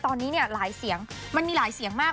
ตอนนี้เนี่ยหลายเสียงมันมีหลายเสียงมาก